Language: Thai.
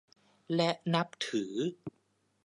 และนับถือ